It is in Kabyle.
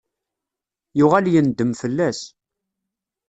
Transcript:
Yuɣal yendem fell-as.